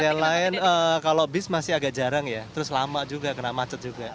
yang lain kalau bis masih agak jarang ya terus lama juga kena macet juga